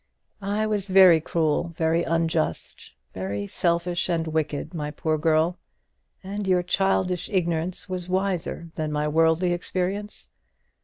I was very cruel, very unjust, very selfish and wicked, my poor girl; and your childish ignorance was wiser than my worldly experience.